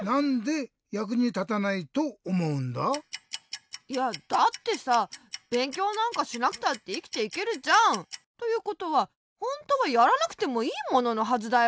じゃあいやだってさべんきょうなんかしなくたっていきていけるじゃん！ということはほんとはやらなくてもいいもののはずだよ。